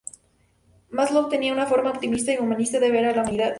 Maslow tenía una forma optimista y humanista de ver a la humanidad.